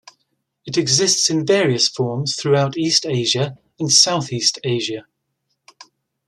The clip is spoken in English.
It exists in various forms throughout East Asia and Southeast Asia.